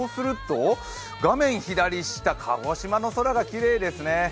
画面左下、鹿児島の空がきれいですね。